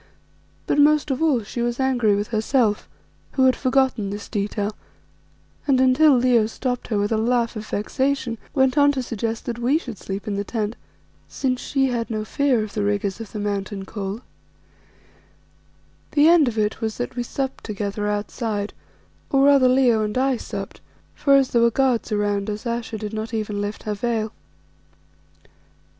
But most of all she was angry with herself, who had forgotten this detail, and until Leo stopped her with a laugh of vexation, went on to suggest that we should sleep in the tent, since she had no fear of the rigours of the mountain cold. The end of it was that we supped together outside, or rather Leo and I supped, for as there were guards around us Ayesha did not even lift her veil.